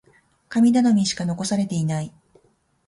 神頼みしか残されていない。